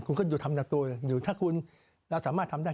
คุณก็อยู่ทำหน้าตัวหรือถ้าคุณแล้วสามารถทำได้